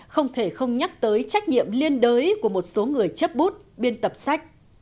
không thể không nhắc tới trách nhiệm liên đới của một số người chấp bút biên tập sách